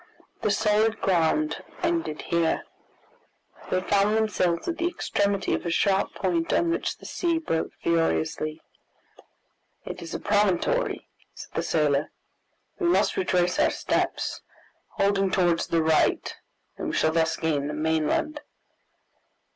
The solid ground ended here. They found themselves at the extremity of a sharp point on which the sea broke furiously. "It is a promontory," said the sailor; "we must retrace our steps, holding towards the right, and we shall thus gain the mainland."